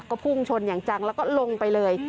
ก็พุ่งชนอย่างจังแล้วก็ลงไปเลย